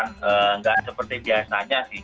nggak seperti biasanya sih